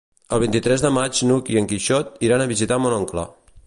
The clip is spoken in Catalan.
El vint-i-tres de maig n'Hug i en Quixot iran a visitar mon oncle.